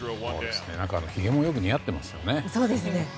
ひげもよく似合ってますね。